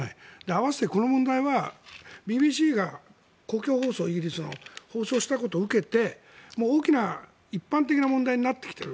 合わせてこの問題はＢＢＣがイギリスの公共放送が放送したことを受けて大きな一般的な問題になってきている。